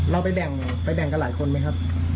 แล้วไปแบ่งกับหลายคนไหมครับ